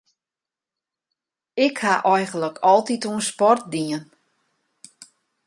Ik ha eigentlik altyd oan sport dien.